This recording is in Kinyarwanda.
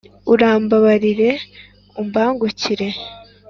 .Urambabarire umbangukire